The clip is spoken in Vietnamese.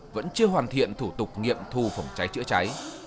vẫn chưa hoàn thiện thủ tục nghiệm thu phòng cháy chữa cháy